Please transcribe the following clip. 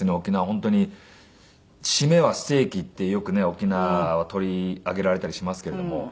本当にシメはステーキってよくね沖縄は取り上げられたりしますけれども。